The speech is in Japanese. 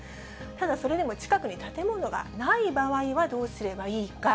ただそれでも、近くに建物がない場合にはどうすればいいか。